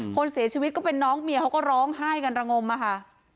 คนเสียชีวิตก็เป็นน้องเมียเขาก็ร้องไห้กันระงมอะค่ะ